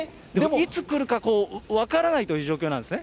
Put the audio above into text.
いつ来るか分からないという状況なんですね。